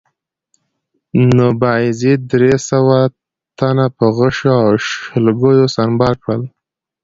نو بایزید درې سوه تنه په غشو او شلګیو سنبال کړل